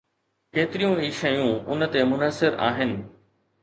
ڪيتريون ئي شيون ان تي منحصر آهن.